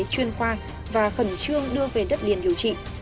chuyên khoa và khẩn trương đưa về đất liền điều trị